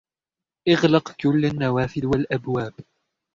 إغلق كل النوافذ والأبواب!